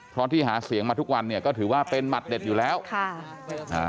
เพราะที่หาเสียงมาทุกวันเนี่ยก็ถือว่าเป็นหมัดเด็ดอยู่แล้วค่ะอ่า